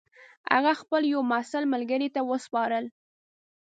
هغه خپل یوه محصل ملګري ته وسپارل.